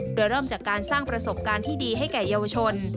โดยเริ่มจากการสร้างประสบการณ์ที่ดีให้แก่เยาวชน